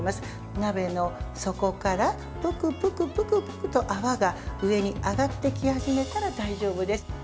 鍋の底からプクプクプクプクと泡が上に上がってき始めたら大丈夫です。